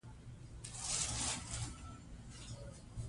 انګریزان په چابکۍ را روان دي.